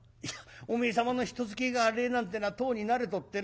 「おめえ様の人使えが荒えなんてのはとうに慣れとってな。